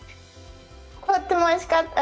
とってもおいしかった。